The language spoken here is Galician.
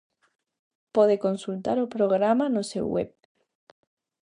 Pode consultar o programa no seu web.